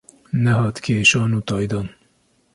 Nehat kêşan û taydan.